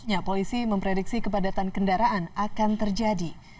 ya polisi memprediksi kepadatan kendaraan akan terjadi